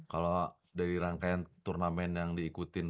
kalau dari rangkaian turnamen yang diikutin